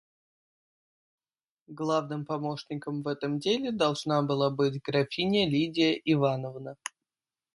Главным помощником в этом деле должна была быть графиня Лидия Ивановна.